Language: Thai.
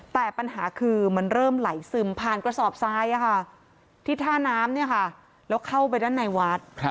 แต่ปัญหาคือมันเริ่มไหลซึมผ่านกระสอบทรายที่ท่าน้ำแล้วเข้าไปด้านในวัด